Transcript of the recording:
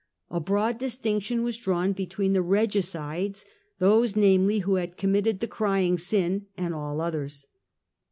A broad distinction was drawn be tween the regicides, those namely who had committed the * crying sin,' and all others.